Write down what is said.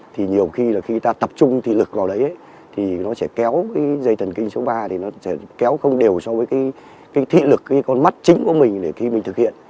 thì nhiều khi là khi ta tập trung thị lực vào đấy thì nó sẽ kéo cái dây thần kinh số ba thì nó sẽ kéo không đều so với cái thị lực cái con mắt chính của mình để khi mình thực hiện